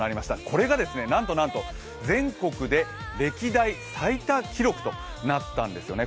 これがなんとなんと全国で歴代最多記録となったんですよね。